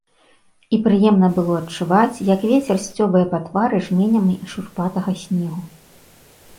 І прыемна было адчуваць, як вецер сцёбае па твары жменямі шурпатага снегу.